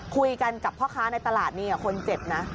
คุยกับพ่อค้าในตลาดนี่คนเจ็บนะ